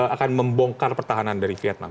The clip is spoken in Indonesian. akan membongkar pertahanan dari vietnam